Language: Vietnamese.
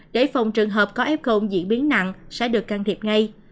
để phòng trường hợp có f diễn biến nặng sẽ được can thiệp ngay